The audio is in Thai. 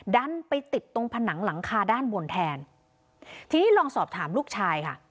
ดันไปติดตรงผนังหลังคาด้านบนแทนทีนี้ลองสอบถามลูกชายค่ะ